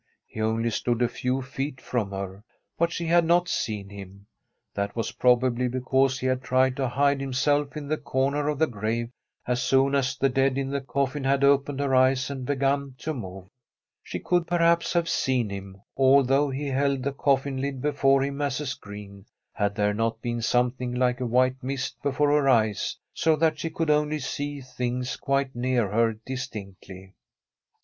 He only stood a few feet from her, but she had not seen him; that was probably because he had tried to hide himself in the comer of the grave as soon as the dead in the coffin had opened her eyes and begun to move. She could, per haps, have seen him, although he held the coffin lid before him as a screen, had there not been something like a white mist before her eyes so that she could only see things quite near her distinctly.